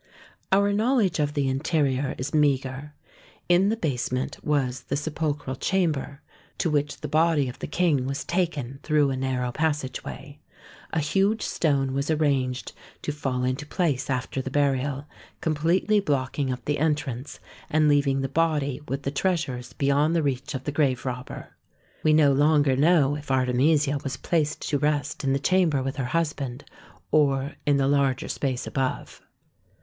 Our knowledge of the interior is meagre. In t the basement was the sepulchral chamber to which 142 THE SEVEN WONDERS the body of the king was taken through a narrow passageway. A huge stone was arranged to fall into place after the burial, completely blocking up the entrance, and leaving the body with the treasures beyond the reach of the grave robber. We no longer know if Artemisia was placed to rest in the chamber with her husband, or in the larger space above.